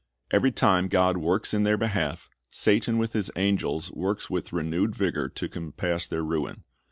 Every time God works in their behalf, Satan with his angels works with renewed vigor to compass their ruin.